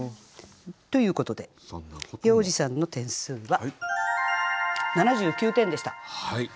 ということで要次さんの点数は７９点でした。